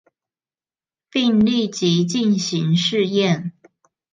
並立即進行試驗